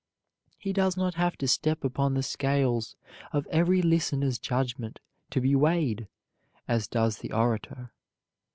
He does not have to step upon the scales of every listener's judgment to be weighed, as does the orator.